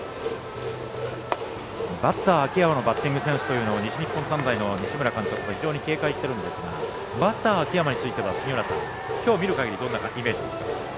バッター、秋山のバッティングセンスというのを西日本短大の西村監督が警戒しているんですがバッター秋山についてはきょう見る限りどんなイメージですか？